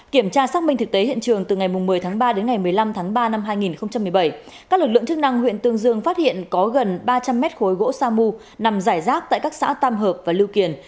kiểm tra xác minh thực tế hiện trường từ ngày một mươi tháng ba đến ngày một mươi năm tháng ba năm hai nghìn một mươi bảy các lực lượng chức năng huyện tương dương phát hiện có gần ba trăm linh mét khối gỗ sa mu nằm giải rác tại các xã tam hợp và lưu kiền